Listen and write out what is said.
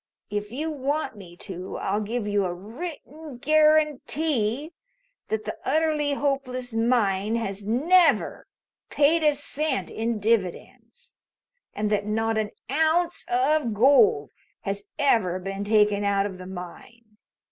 If you want me to I'll give you a written guarantee that the Utterly Hopeless Mine has never paid a cent in dividends and that not an ounce of gold has ever been taken out of the mine.